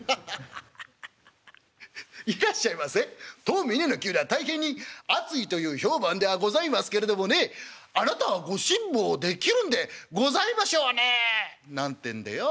「『当の峯の灸は大変に熱いという評判ではございますけれどもねあなたはご辛抱できるんでございましょうね』なんてんでよ